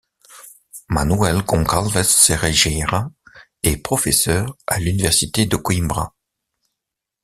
Manuel Gonçalves Cerejeira est professeur à l'université de Coimbra.